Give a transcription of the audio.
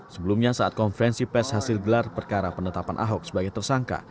sebelumnya saat konferensi pes hasil gelar perkara penetapan ahok sebagai tersangka